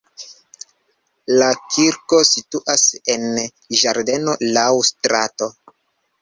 La kirko situas en ĝardeno laŭ strato.